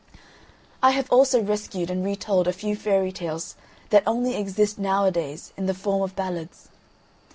I have also rescued and re told a few Fairy Tales that only exist now a days in the form of ballads.